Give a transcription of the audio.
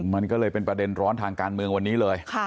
มันก็เลยเป็นประเด็นร้อนทางการเมืองวันนี้เลย